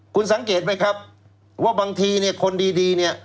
คุณสังเกตไหมครับว่าบางทีคนดีนี่